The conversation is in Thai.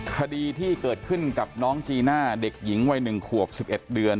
คดีที่เกิดขึ้นกับน้องจีน่าเด็กหญิงวัยหนึ่งขวบสิบเอ็ดเดือน